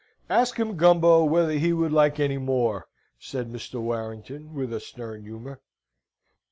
"Ask him, Gumbo, whether he would like any more?" said Mr. Warrington, with a stern humour.